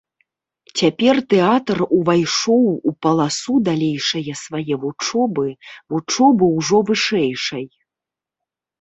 Цяпер тэатр увайшоў у паласу далейшае свае вучобы, вучобы ўжо вышэйшай.